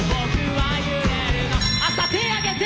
手上げて！